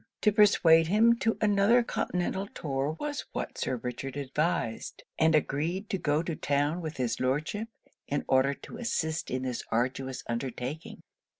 To persuade him to another continental tour was what Sir Richard advised: and agreed to go to town with his Lordship, in order to assist in this arduous undertaking.